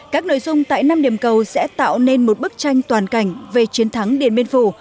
các nội dung tại năm điểm cầu sẽ tạo nên một bức tranh toàn cảnh về chiến thắng điện biên phủ